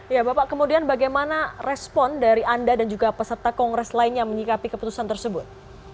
ya bapak kemudian bagaimana respon dari anda dan juga peserta kongres lainnya menyikapi keputusan tersebut